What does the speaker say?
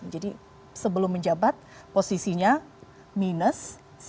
jadi sebelum menjabat posisinya minus satu tujuh puluh empat